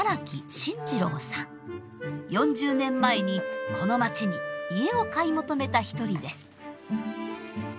４０年前にこの町に家を買い求めた一人です。